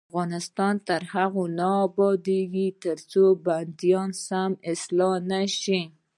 افغانستان تر هغو نه ابادیږي، ترڅو بندیان سم اصلاح نشي.